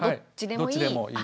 どっちでもいい。